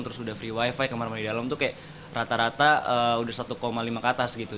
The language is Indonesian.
terus udah free wifi kamar kamar di dalam itu rata rata udah satu lima kata segitu